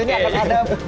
ini akan ada